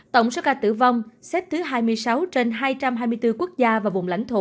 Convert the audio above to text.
tổng số ca tử vong xếp thứ hai mươi sáu trên hai trăm hai mươi bốn quốc gia và vùng lãnh thổ